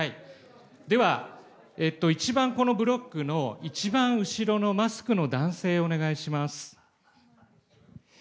では、一番このブロックの一番後ろのマスクの男性、お願いします。